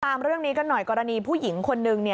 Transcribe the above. ตามเรื่องนี้กันหน่อยกรณีผู้หญิงคนนึง